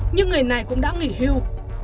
nhưng người này cũng đã nghỉ hưu